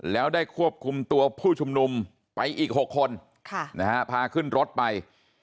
แล้วได้ควบคุมตัวผู้ชุมนุมไปอีก๖คนพาขึ้นรถไป